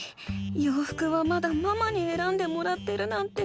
ようふくはまだママにえらんでもらってるなんて。